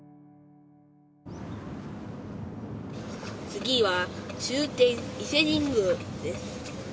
次は終点伊勢神宮です。